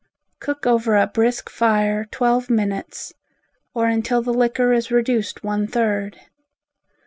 Cook over a brisk fire twelve minutes, or until the liquor is reduced one third.